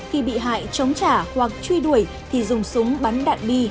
khi bị hại chống trả hoặc truy đuổi thì dùng súng bắn đạn bi